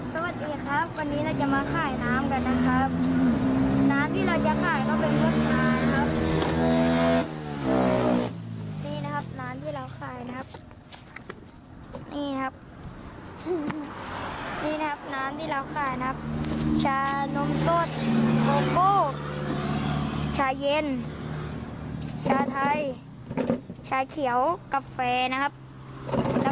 สวัสดีครับวันนี้เราจะมาขายน้ำกันนะครับ